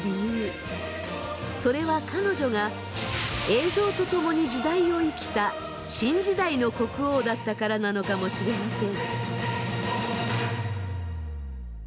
それは彼女が映像と共に時代を生きた新時代の国王だったからなのかもしれません。